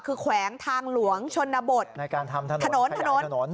คือแขวงทางหลวงชนบทในการทำถนนถนนถนน